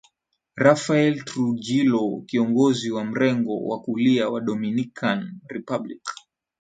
Rafael Trujillo kiongozi wa mrengo wa kulia wa Dominican Republic